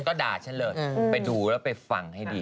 ก็ด่าฉันเลยไปดูแล้วไปฟังให้ดี